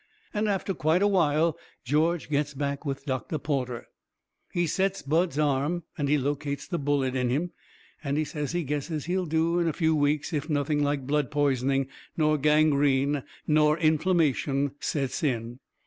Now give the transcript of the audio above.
And after quite a while George gets back with Doctor Porter. He sets Bud's arm, and he locates the bullet in him, and he says he guesses he'll do in a few weeks if nothing like blood poisoning nor gangrene nor inflammation sets in.